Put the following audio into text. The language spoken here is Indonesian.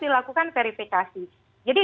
dilakukan verifikasi jadi